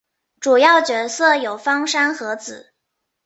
主要角色有芳山和子。